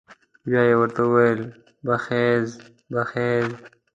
بيا یې ورته وويل بخېز بخېز.